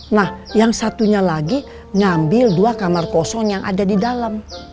nah yang satunya lagi ngambil dua kamar kosong yang ada di dalam